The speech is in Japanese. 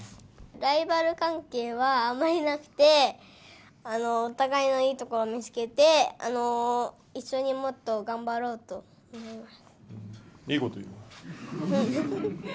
ライバル関係はあまりなくて、お互いのいいところを見つけて、一緒にもっと頑張ろうと思います。